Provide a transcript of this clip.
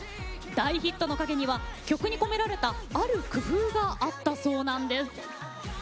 大ヒットの陰には曲に込められたある工夫があったそうなんです。